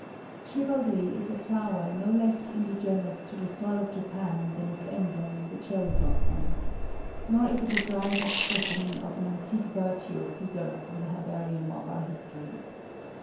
Chivalry is a flower no less indigenous to the soil of Japan than its emblem, the cherry blossom; nor is it a dried up specimen of an antique virtue preserved in the herbarium of our history.